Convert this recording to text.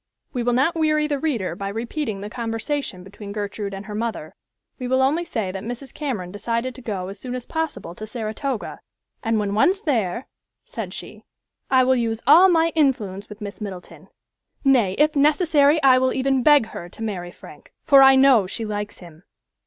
We will not weary the reader by repeating the conversation between Gertrude and her mother. We will only say that Mrs. Cameron decided to go as soon as possible to Saratoga, "and when once there," said she, "I will use all my influence with Miss Middleton; nay, if necessary, I will even beg her to marry Frank, for I know she likes him."